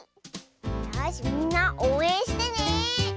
よしみんなおうえんしてね。